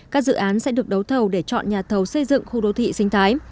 các dự án sẽ được đấu thầu để chọn nhà thầu xây dựng khu đô thị sinh thái